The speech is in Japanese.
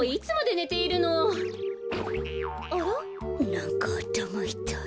なんかあたまいたい。